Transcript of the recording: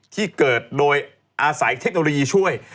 ที่เกิดโดยอาศัยเทคโนโลยีช่วย